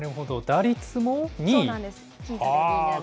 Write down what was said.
打率も２位？